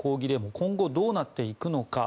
今後どうなっていくのか。